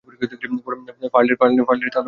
ফার্লের তাহলে ভালো লেগেছে মুভিটা!